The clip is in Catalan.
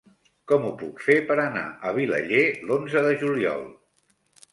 Com ho puc fer per anar a Vilaller l'onze de juliol?